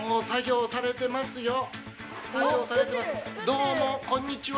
どうもこんにちは。